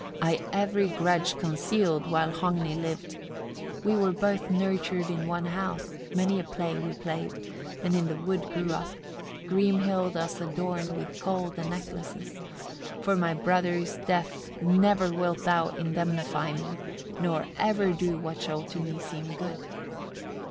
I every grudge concealed, while Hogni lived. 68. We were both nurtured in one house; many a play we played, and in the wood grew up; Grimhild us adorned with gold and necklaces; for my brothers' death never wilt thou indemnify me, nor ever do what shall to me seem good.